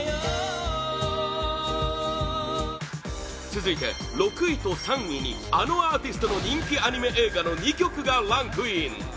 続いて、６位と３位にあのアーティストの人気アニメ映画の２曲がランクイン